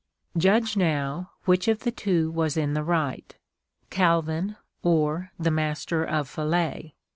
" Judge, now, which of the two was in the right — Calvin or the Master of Falais."